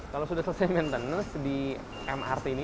kalau sudah selesai maintenance di mrt ini